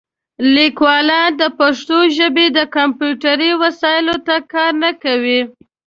لیکوالان د پښتو ژبې د کمپیوټري وسایلو ته کار نه کوي.